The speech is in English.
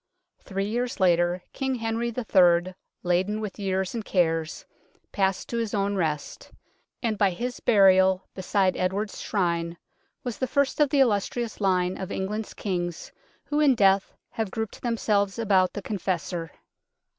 Three years later King Henry III., laden with years and cares, passed to his own rest, and by his burial beside Edward's Shrine was the first of the illustrious line of England's Kings who in death have grouped themselves about the Confessor.